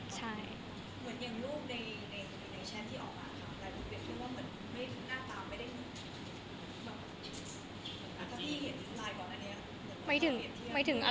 มีแค่เมื่อกี๊